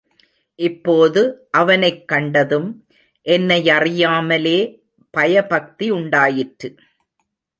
இப்போது அவனைக் கண்டதும் என்னையறியாமலே பயபக்தி உண்டாயிற்று.